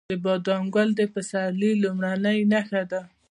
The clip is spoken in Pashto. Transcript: د بادام ګل د پسرلي لومړنی نښه ده.